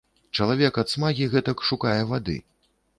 Чалавек ад смагі гэтак шукае вады.